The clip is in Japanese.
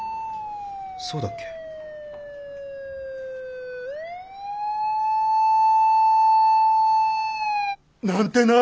そうだっけ？なんてな！